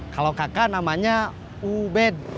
kalau kakak namanya ubed